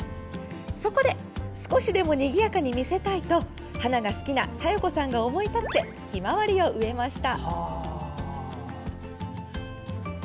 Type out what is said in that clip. そこで、少しでもにぎやかに見せたいと花が好きな佐代子さんが思い立ってひまわりを植えました。